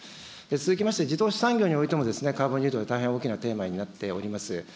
続きまして、自動車産業においてもカーボンニュートラル、大変大きなテーマになっております。